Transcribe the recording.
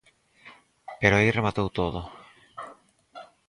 Pero aí rematou todo.